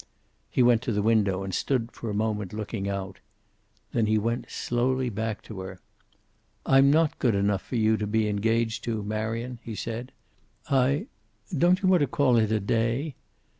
He went to the window and stood for a moment looking out. Then he went slowly back to her. "I'm not good enough for you to be engaged to, Marion," he said. "I don't you want to call it a day?"